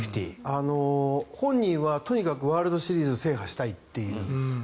本人はとにかくワールドシリーズ制覇したいという。